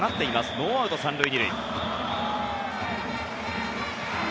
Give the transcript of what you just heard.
ノーアウト３塁２塁。